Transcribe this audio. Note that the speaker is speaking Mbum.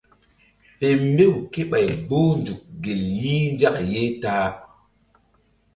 Fe mbew kéɓay gboh nzuk gel yih nzak ye ta-a.